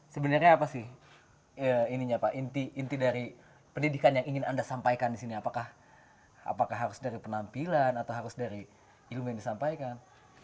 sebenarnya apa sih inti dari pendidikan yang ingin anda sampaikan di sini apakah harus dari penampilan atau harus dari ilmu yang disampaikan